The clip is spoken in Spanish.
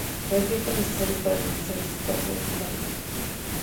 El tiempo necesario para realizar este paso es fundamental.